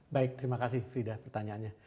baik terima kasih frida pertanyaannya